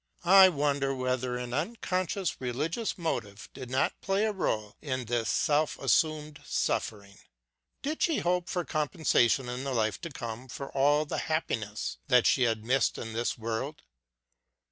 I wonder whether an unconscious religious motive did not play a role in this self assumed suffering. Did 194 LOOKING BACKWARD she hope for compensation in the life to come for all the happiness that she had missed in this world